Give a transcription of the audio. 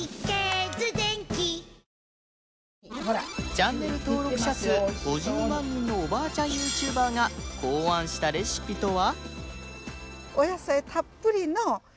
チャンネル登録者数５０万人のおばあちゃん ＹｏｕＴｕｂｅｒ が考案したレシピとは？